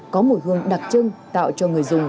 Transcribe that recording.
có mùi hương đặc trưng tạo cho người dùng